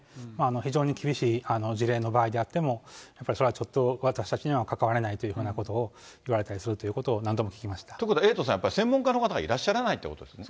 非常に厳しい事例の場合であっても、それはちょっと私たちには関われないということを言われたりするということは、エイトさん、専門家の方がいらっしゃらないということですか。